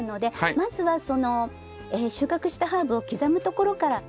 まずはその収穫したハーブを刻むところから。